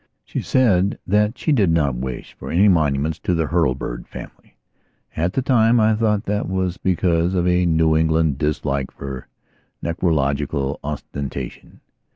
She said that she did not wish for any monuments to the Hurlbird family. At the time I thought that that was because of a New England dislike for necrological ostentation.